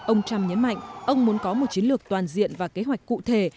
ông trump nhấn mạnh ông muốn có một chiến lược toàn diện và kế hoạch cụ thể